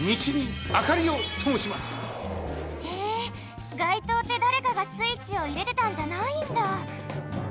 へえがいとうってだれかがスイッチをいれてたんじゃないんだ！